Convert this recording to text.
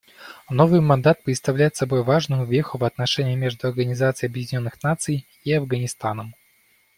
Новый мандат представляет собой важную веху в отношениях между Организацией Объединенных Наций и Афганистаном.